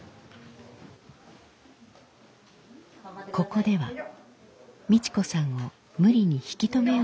ここではミチ子さんを無理に引き止めようとしない。